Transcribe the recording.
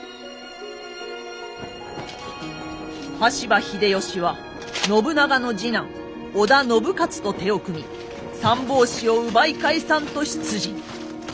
羽柴秀吉は信長の次男織田信雄と手を組み三法師を奪い返さんと出陣。